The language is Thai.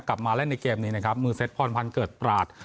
กลับมาเล่นในเกมนี้นะครับมือเซ็ตพรพันธ์เกิดปราศ